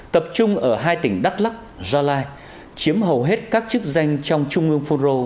tập trung ở hai tỉnh đắk lắc gia lai chiếm hầu hết các chức danh trong trung ương phun rô